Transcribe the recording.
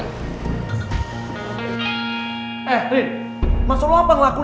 biar michelle tuh kapok dan nge brain lagi ganggu gue